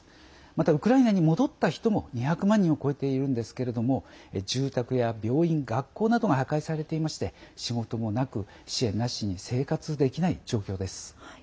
またウクライナに戻った人も２００万人を超えているんですけれども住宅や病院、学校などが破壊されていまして仕事もなく支援なしに生活できない状況です。